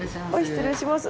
失礼します。